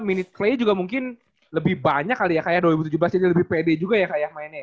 minute play juga mungkin lebih banyak kali ya kayak dua ribu tujuh belas jadi lebih pede juga ya kak ya mainnya ya